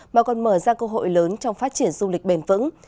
mà còn mở ra cơ hội lớn trong phát triển du lịch bền vững